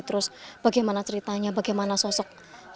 terus bagaimana ceritanya bagaimana sosok